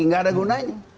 tidak ada gunanya